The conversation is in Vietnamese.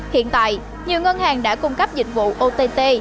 hiện tại nhiều ngân hàng đã cung cấp dịch vụ ott